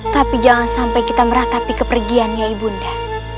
tapi jangan sampai kita meratapi kepergiannya ibu nda